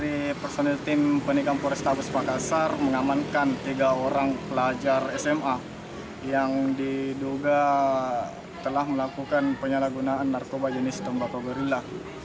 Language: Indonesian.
dari personil tim penikam polrestabes makassar mengamankan tiga orang pelajar sma yang diduga telah melakukan penyalahgunaan narkoba jenis tembakau berila